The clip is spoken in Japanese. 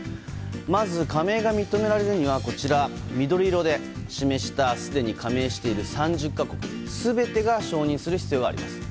まず加盟が認められるには緑色で示したすでに加盟している３０か国全てが承認する必要があります。